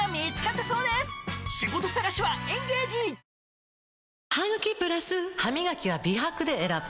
わかるぞハミガキは美白で選ぶ！